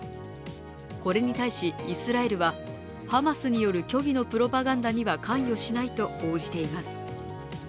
これに対しイスラエルはハマスによる虚偽のプロパガンダには関与しないと応じています。